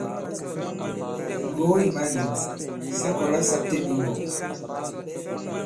Ŋgògo ì malēm: sa kɔ̀la sa têm i mbɔ̄k.